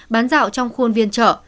bán rạo trong khuôn viên chợ